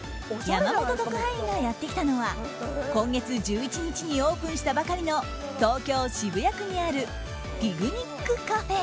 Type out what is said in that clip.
山本特派員がやってきたのは今月１１日にオープンしたばかりの東京・渋谷区にあるｐｉｇｎｉｃｃａｆｅ。